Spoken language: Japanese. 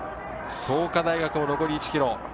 創価大学も残り１ｋｍ。